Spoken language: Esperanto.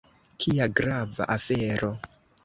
Kia grava afero!